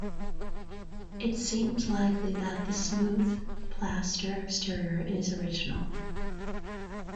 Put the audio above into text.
It seems likely that the smooth plaster exterior is original.